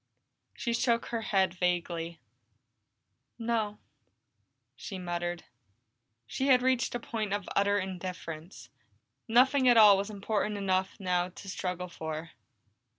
She shook her head vaguely. "No," she muttered. She had reached the point of utter indifference; nothing at all was important enough now to struggle for.